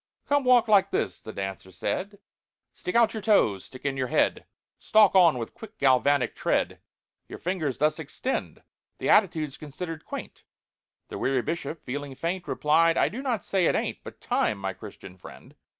"Come, walk like this," the dancer said, "Stick out your toes—stick in your head, Stalk on with quick, galvanic tread— Your fingers thus extend; The attitude's considered quaint." The weary Bishop, feeling faint, Replied, "I do not say it ain't, But 'Time!' my Christian friend!"